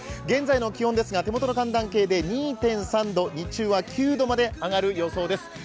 現在の気温ですが手元の寒暖計で２．３度、日中は９度まで上がる予報です。